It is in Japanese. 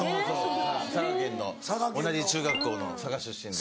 佐賀県の同じ中学校の佐賀出身で。